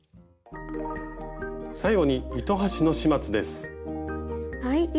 最後に糸端の始末です。